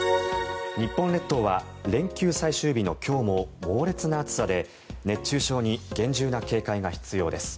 日本列島は連休最終日の今日も猛烈な暑さで熱中症に厳重な警戒が必要です。